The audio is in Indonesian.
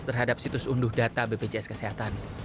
terhadap situs unduh data bpjs kesehatan